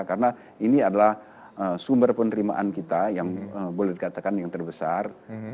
karena ini adalah sumber penerimaan kita yang boleh dikatakan yang terbesar